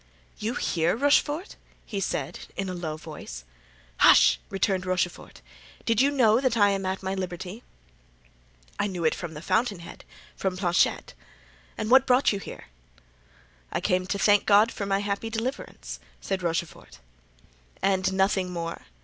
"You here, Rochefort?" he said, in a low voice. "Hush!" returned Rochefort. "Did you know that I am at liberty?" "I knew it from the fountain head—from Planchet. And what brought you here?" "I came to thank God for my happy deliverance," said Rochefort. "And nothing more?